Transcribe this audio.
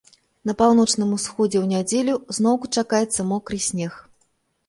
На паўночным усходзе ў нядзелю зноўку чакаецца мокры снег.